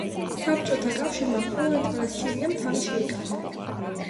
საბჭოთა კავშირმა, პოლონეთმა და სირიამ თავი შეიკავა.